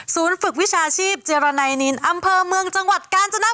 ศูนย์ฝึกวิชาชีพเจรนายนินอำเภอเมืองจังหวัดกาญจนบุรีค่ะ